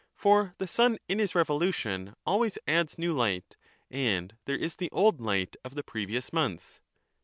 Socrates, For the sun in his revolution always adds new light, and "■^'*'"'^; there is the old light of the previous month.